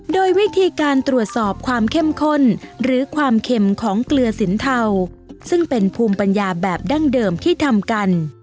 โดยวิธีการตรวจสอบความเข้มข้นหรือความเค็มของเกลือสินเทาซึ่งเป็นภูมิปัญญาแบบดั้งเดิมที่ทำกัน